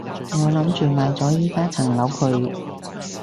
我諗住賣咗依加層樓佢